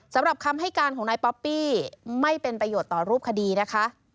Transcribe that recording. สำหรับคำให้การของนายป๊อปปี้ไม่เป็นประโยชน์ต่อรูปคดีนะคะ